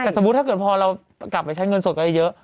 แต่สมมุติถ้าเกิดพอเรากลับไปใช้เงินสดกันเยอะ